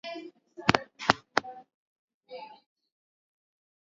Kimsingi kuna jamii kumi na mbili za kabila la Wamasai kila jamii ikiwa na